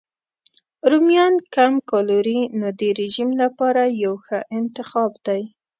رومیان کم کالوري نو د رژیم لپاره یو ښه انتخاب دی.